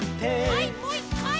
はいもう１かい！